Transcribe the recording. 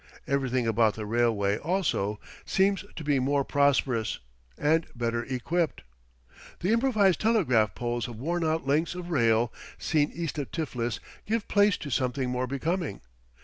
Everything about the railway, also, seems to be more prosperous, and better equipped. The improvised telegraph poles of worn out lengths of rail seen east of Tiflis give place to something more becoming.